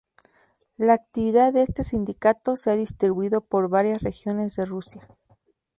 La actividad de este sindicato se ha distribuido por varias regiones de Rusia.